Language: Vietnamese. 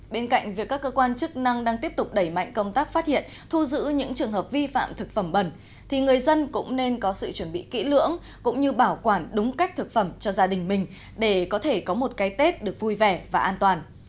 bên cạnh việc các cơ quan chức năng đang tiếp tục đẩy mạnh công tác phát hiện thu giữ những trường hợp vi phạm thực phẩm bẩn thì người dân cũng nên có sự chuẩn bị kỹ lưỡng cũng như bảo quản đúng cách thực phẩm cho gia đình mình để có thể có một cái tết được vui vẻ và an toàn